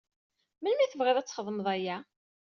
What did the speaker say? Melmi i tebɣiḍ ad txedmeḍ aya?